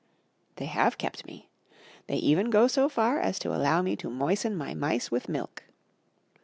They have kept me. They even go so far as to allow me to moisten my mice with milk.